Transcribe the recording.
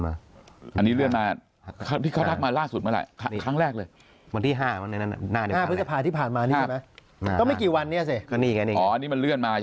อันนี้ที่เขาทักมาล่าสุดเมื่อไหร่คั้นแรกเลย